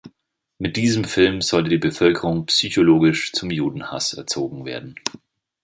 Mit diesem Film sollte die Bevölkerung psychologisch zum Judenhass erzogen werden.